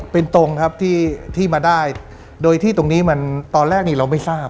เป็นตรงครับที่มาได้โดยที่ตรงนี้มันตอนแรกนี้เราไม่ทราบ